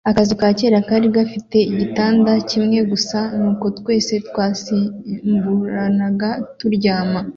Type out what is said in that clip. Akazu ka kera kari gafite igitanda kimwe gusa, nuko twese twasimburanaga turyama.